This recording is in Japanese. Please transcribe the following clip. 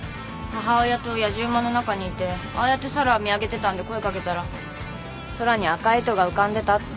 母親とやじ馬の中にいてああやって空を見上げてたんで声かけたら「空に赤い糸が浮かんでた」って。